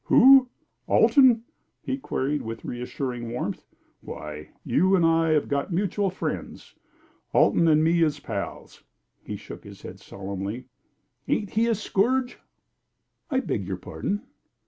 "Who Alton?" he queried, with reassuring warmth. "Why, you and I have got mutual friends. Alton and me is pals." He shook his head solemnly. "Ain't he a scourge?" "I beg your pardon."